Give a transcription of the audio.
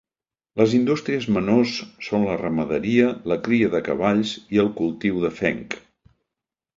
Les indústries menors són la ramaderia, la cria de cavalls i el cultiu de fenc.